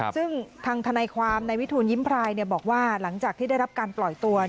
ซึ่งทางทนายความในวิทูลยิ้มพรายบอกว่าหลังจากที่ได้รับการปล่อยตัว